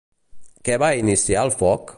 Què va iniciar el foc?